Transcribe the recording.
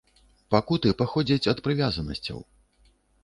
Пакуты паходзяць ад прывязанасцяў.